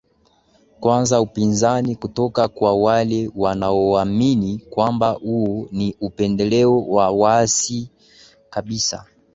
kwanza upinzani kutoka kwa wale wanaoamini kwamba huo ni upendeleo wa wazi kabisa